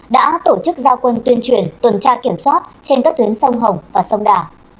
đã tổ chức giao quân tuyên truyền tuần tra kiểm soát trên các tuyến sông hồng và sông đà